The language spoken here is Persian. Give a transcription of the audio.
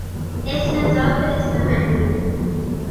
اسم ذات و اسم معنی